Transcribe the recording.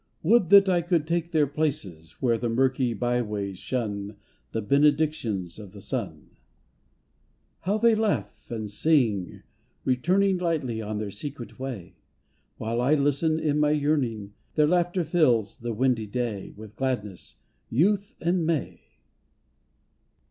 Would that I could take their places Where the murky bye ways shun The benedictions of the sun. How they laugh and sing returning Lightly on their secret way. 239 240 THE LITTLE CHILDREN While I listen in my yearning Their laughter fills the windy day With gladness, youth and May.